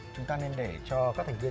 chúng ta nên để cho các thành viên